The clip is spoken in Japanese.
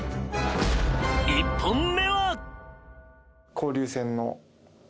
［１本目は］